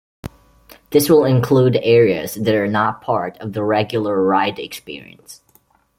This will include areas that are not part of the regular ride experience.